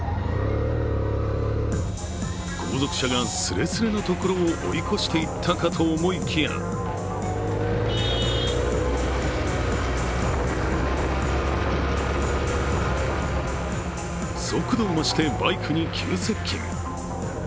後続車がスレスレのところを追い越していったかと思いきや速度を増してバイクに急接近。